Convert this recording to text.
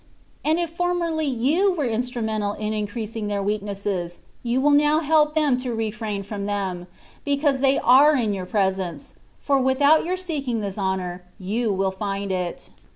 And if formerly you were instrumental in increasing their weaknesses, you will now help them to refrain from them, because they are in your presence ; for without your seeking this honour, you will find it.